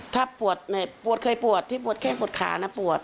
ถ้าปวดปวดเคยปวดที่ปวดแข้งปวดขานะปวด